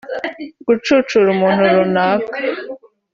gucucura umuntu runaka